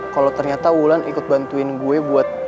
kalau ternyata wulan ikut bantuin gue buat